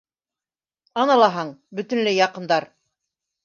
Ана лаһаң, бөтөнләй яҡындар!